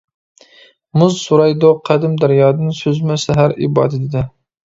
مۇز سورايدۇ قەدىم دەريادىن، سۈزمە سەھەر ئىبادىتىدە.